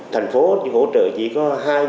thành phố hỗ trợ chỉ có